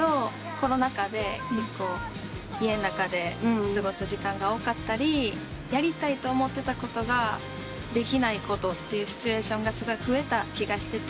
コロナ禍で家の中で過ごす時間が多かったりやりたいと思ってたことができないことってシチュエーションがすごい増えた気がしてて。